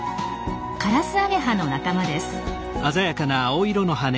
カラスアゲハの仲間です。